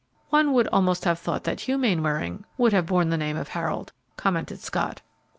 "One would almost have thought that Hugh Mainwaring would have borne the name of Harold," commented Scott.